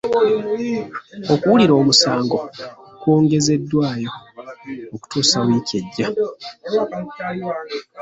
Okuwulira omusango kwongezeddwayo okutuusa wiiki ejja.